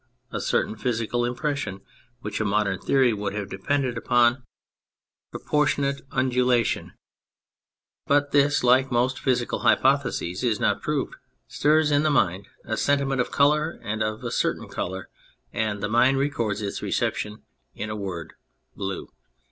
A certain physical impression (which a modern theory would have depend upon pro 24 On the Simplicity of Words portionate undulation but this, like most physical hypotheses, is not proved) stirs in the mind a senti ment of colour and of a certain colour ; and the mind records its reception in a word : blue.